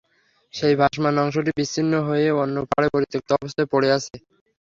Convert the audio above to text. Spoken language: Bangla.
সেই ভাসমান অংশটি বিচ্ছিন্ন হয়ে অন্য পাড়ে পরিত্যক্ত অবস্থায় পড়ে আছে।